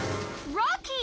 ロッキー！